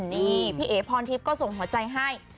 นี่พี่เอ๋พรทิพย์ก็ส่งหัวใจให้